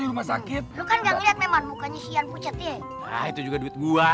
di rumah sakit lu kan nggak ngeliat memang mukanya si an pucat ye nah itu juga duit gua